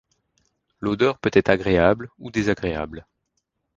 L'odeur peut être agréable ou désagréable.